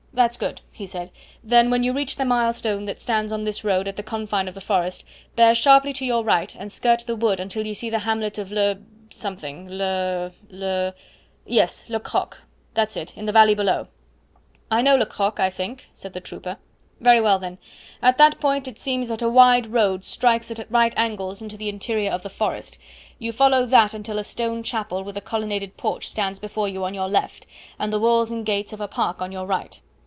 "That's good," he said; "then when you reach the mile stone that stands on this road at the confine of the forest, bear sharply to your right and skirt the wood until you see the hamlet of Le something. Le Le yes Le Crocq that's it in the valley below." "I know Le Crocq, I think," said the trooper. "Very well, then; at that point it seems that a wide road strikes at right angles into the interior of the forest; you follow that until a stone chapel with a colonnaded porch stands before you on your left, and the walls and gates of a park on your right.